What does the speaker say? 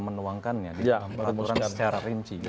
menuangkannya di peraturan secara rinci